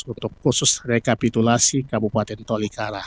untuk khusus rekapitulasi kabupaten tolikara